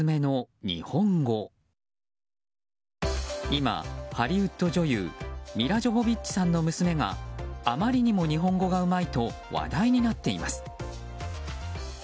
今、ハリウッド女優ミラ・ジョヴォヴィッチさんの娘があまりにも日本語がうまいと話題になっています。